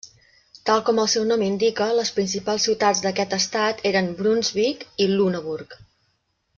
Tal com el seu nom indica, les principals ciutats d'aquest estat eren Brunsvic i Lüneburg.